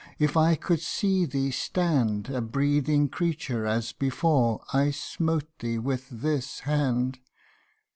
If I could see thee stand, A breathing creature, as before I smote thee with this hand.